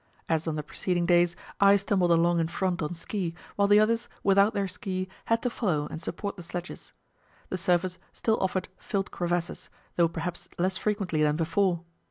As on the preceding days, I stumbled along in front on ski, while the others, without their ski, had to follow and support the sledges. The surface still offered filled crevasses, though perhaps less frequently than before.